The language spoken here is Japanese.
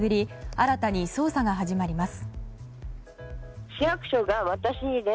新たに捜査が始まります。